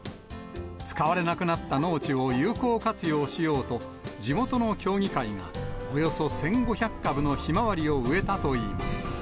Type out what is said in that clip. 使われなくなった農地を有効活用しようと、地元の協議会がおよそ１５００株のひまわりを植えたといいます。